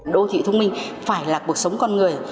đô thị thông minh phải là cuộc sống con người